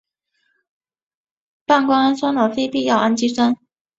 半胱氨酸的非必需氨基酸。